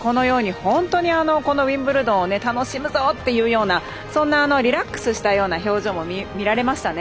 本当に、このウィンブルドンを楽しむぞというようなリラックスしたような表情も見られましたね。